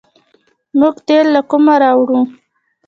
موږ تیل له کومه راوړو؟